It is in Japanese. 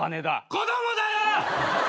子供だよ！